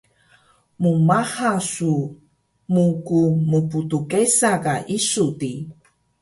mmaha su mgmptgesa ka isu di